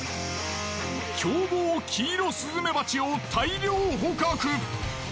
凶暴キイロスズメバチを大量捕獲。